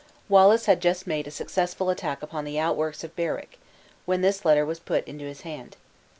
Wallace had just made a successful attack upon the outworks of Berwick, when this letter was put into his hand.